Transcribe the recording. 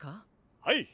はい！